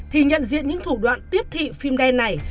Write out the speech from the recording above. thì nhận diện những thủ đoạn tiếp thị phim đen này